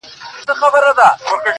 اې د ویدي د مست سُرود او اوستا لوري.